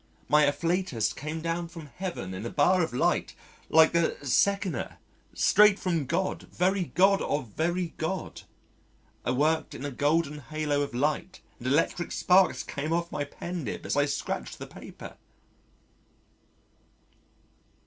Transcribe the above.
My afflatus came down from Heaven in a bar of light like the Shekinah straight from God, very God of very God. I worked in a golden halo of light and electric sparks came off my pen nib as I scratched the paper.